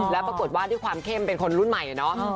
แล้วปรากฏว่าด้วยความเข้มเป็นคนรุ่นใหม่เนาะ